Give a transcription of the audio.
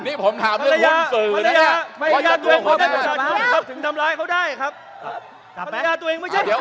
นี่ผมถามเรื่องรวมสื่อเนี่ย